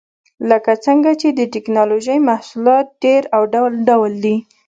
لکه څنګه چې د ټېکنالوجۍ محصولات ډېر او ډول ډول دي.